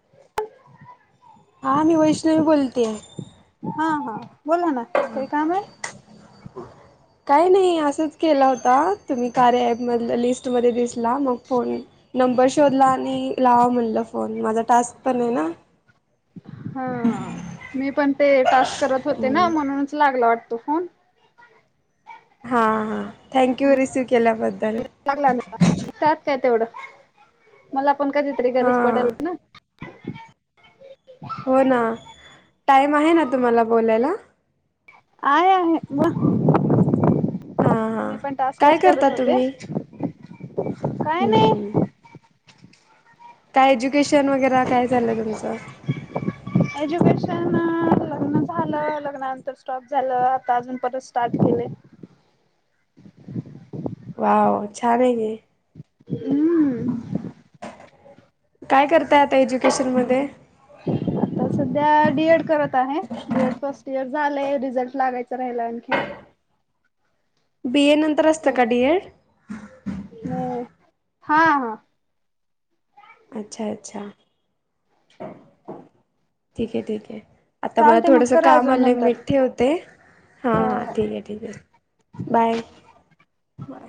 [unintelligible] हां मी वैष्णवी बोलतीय हा, हा बोला ना काय काम आहे हो काय नाही असंच केलं होता तुम्ही कार्या ॲपमधलं लिस्टमध्ये दिसला मग फोन नंबर शोधला आणि लावाव म्हणलं फोन माझा टास्क पण आहे ना हा मी पण ते टास्क करत होते ना हम्म म्हणूनच लागला वाटतो फोन हा, हा थँक्यू रिसिव केल्याबद्दल लागला त्यात काय तेवढं मला आपण कधीतरी गरज हां. पडेलच ना हो ना टाइम आहे ना तुम्हाला बोलायला आहे, आहे बोल हां. मी पण काय टास्कच करता करत होते तुम्ही काय नाही हम्म काय एज्युकेशन वगैरा काय झालंय तुमचं [unintelligible] एज्युकेशन लग्न झालं लग्नानंतर स्टॉप झालं आता अजून परत स्टार्ट केलय वाव छान आहे की हम काय करताय आता एज्युकेशन मध्ये तर सध्या डी एड करत आहे डी एड फर्स्ट इयर झालंय रिझल्ट लागायच राहिला आणखीन बी ए नंतर असतं का डी एड म हा, हा अच्छा, अच्छा ठीक आहे, ठीक आहे आता मला चालते मग थोडस करा काम अजून आलंय मी नंतर. ठेवते हा, हो हां हो. ठीक आहे, ठीक आहे बाय बाय.